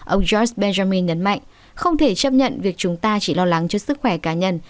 ông jos bejamin nhấn mạnh không thể chấp nhận việc chúng ta chỉ lo lắng cho sức khỏe cá nhân